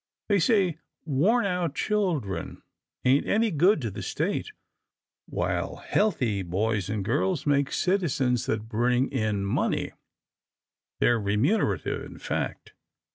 They say worn out children ain't any good to the State, while healthy boys and girls make citizens that bring in money — they're remunerative, in fact."